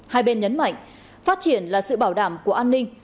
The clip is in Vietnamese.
hai bên nhấn mạnh phát triển là sự bảo đảm của an ninh